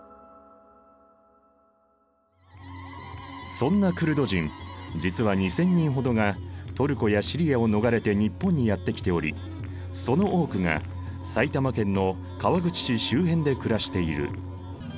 そんなクルド人実は２，０００人ほどがトルコやシリアを逃れて日本にやって来ておりその多くが埼玉県の川口市周辺で暮らしている。